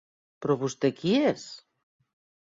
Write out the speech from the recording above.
Però vostè qui és?